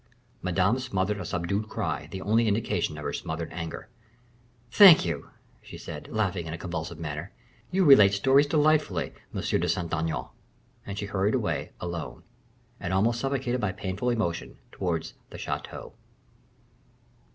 Madame smothered a subdued cry, the only indication of her smothered anger. "Thank you," she said, laughing in a convulsive manner, "you relate stories delightfully, M. de Saint Aignan." And she hurried away, alone, and almost suffocated by painful emotion, towards the chateau.